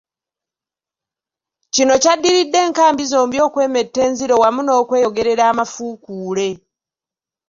Kino kyaddiridde enkambi zombi okwemetta enziro wamu n'okweyogerera amafuukule.